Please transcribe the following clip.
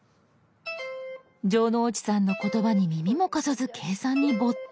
城之内さんの言葉に耳も貸さず計算に没頭。